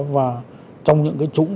và trong những trũng